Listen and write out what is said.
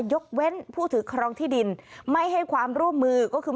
ยกเว้นผู้ถือครองที่ดินไม่ให้ความร่วมมือก็คือ